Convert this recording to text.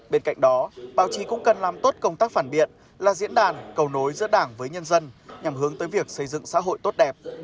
bên cạnh đó báo chí cũng cần làm tốt công tác phản biện là diễn đàn cầu nối giữa đảng với nhân dân nhằm hướng tới việc xây dựng xã hội tốt đẹp